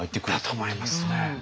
だと思いますね。